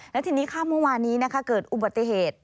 และทีนี้ข้ามเมื่อวานนี้เกิดอุบัติเหตุ